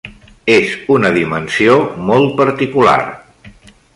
És una dimensió molt particular.